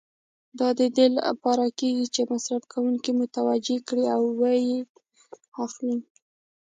دا د دې لپاره کېږي چې مصرفوونکي متوجه کړي او و یې اخلي.